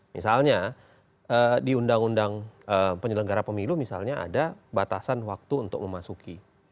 misalnya di undang undang penyelenggara pemilu misalnya ada batasan waktu untuk memasuki